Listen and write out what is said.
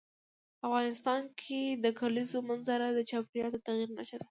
افغانستان کې د کلیزو منظره د چاپېریال د تغیر نښه ده.